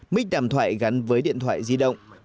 mích đàm thoại gắn với điện thoại di động